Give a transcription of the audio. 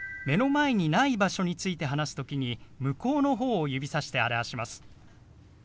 目の前にない場所について話す時に向こうの方を指さして表します。